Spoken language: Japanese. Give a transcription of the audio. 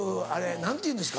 何ていうんですか？